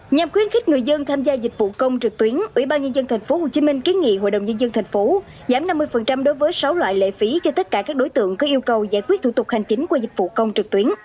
nhằm khuyến khích người dân tham gia dịch vụ công trực tuyến ủy ban nhân dân thành phố hồ chí minh kiến nghị hội đồng nhân dân thành phố giảm năm mươi đối với sáu loại lệ phí cho tất cả các đối tượng có yêu cầu giải quyết thủ tục hành chính qua dịch vụ công trực tuyến